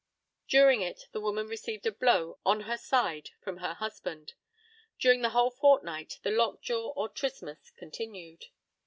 During it the woman received a blow on her side from her husband. During the whole fortnight the lockjaw or trismus continued.